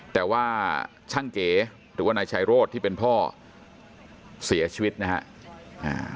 แต่ว่าช่างเก๋หรือว่านายชายโรธที่เป็นพ่อเสียชีวิตนะฮะ